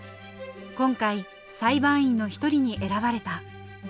今回裁判員の一人に選ばれた。